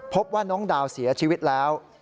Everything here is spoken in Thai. พบว่าน้องดาวเสียชีวิตแล้ว